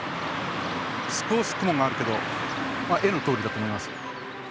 少し雲があるけど絵のとおりだと思います。